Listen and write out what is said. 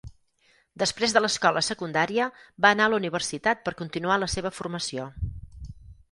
Després de l'escola secundària, va anar a la universitat per continuar la seva formació.